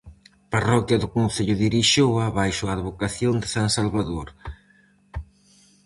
Parroquia do concello de Irixoa baixo a advocación de san Salvador.